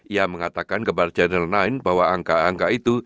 ia mengatakan kebal jenderal sembilan bahwa angka angka itu